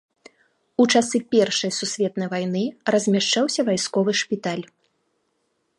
У часы першай сусветнай вайны размяшчаўся вайсковы шпіталь.